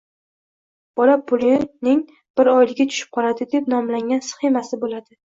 bola pulining «Bir oyligi tushib qoladi» deb nomlangan sxemasi bo‘ladi.